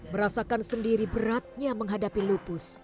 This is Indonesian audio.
merasakan sendiri beratnya menghadapi lupus